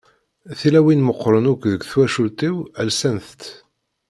Tilawin meqqren akk deg twacult-iw lsant-tt.